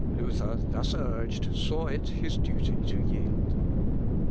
Luther, thus urged, saw it his duty to yield.